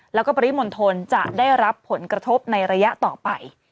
แล้วก็ปริมณฑลจะได้รับผลกระทบในระยะต่อไป